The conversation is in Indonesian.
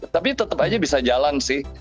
tapi tetap aja bisa jalan sih